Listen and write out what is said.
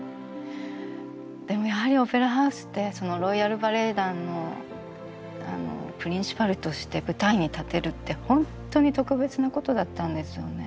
でもやはりオペラハウスってロイヤル・バレエ団のプリンシパルとして舞台に立てるって本当に特別なことだったんですよね。